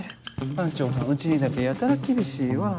班長はんうちにだけやたら厳しいわぁ。